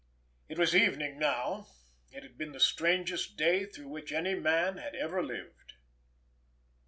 It was evening now; it had been the strangest day through which any man had ever lived.